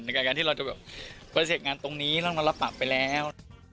ในการที่เราจะเกิดเสียงงานตรงนี้เราก็ต้องรับปากไปแล้ว